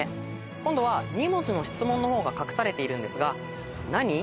今度は２文字の質問の方が隠されているんですが「なに？」